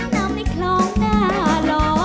น้ำได้คลองหน้าหลอม